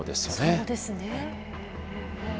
そうですね。